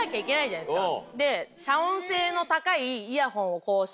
じゃないですか。